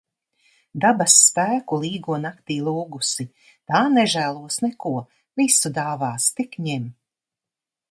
Dabas spēku Līgo naktī lūgusi. Tā nežēlos neko, visu dāvās, tik ņem.